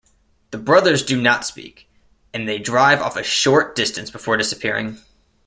The brothers do not speak, and they drive off a short distance before disappearing.